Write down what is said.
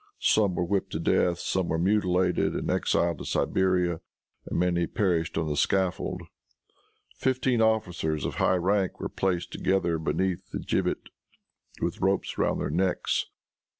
Some were whipped to death. Some were mutilated and exiled to Siberia, and many perished on the scaffold. Fifteen officers of high rank were placed together beneath the gibbet, with ropes around their necks.